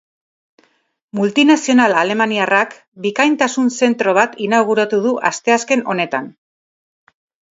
Multinazional alemaniarrak bikaintasun zentro bat inauguratu du asteazken honetan.